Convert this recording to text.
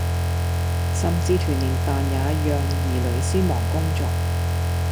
甚至團年飯也讓兒女先忙工作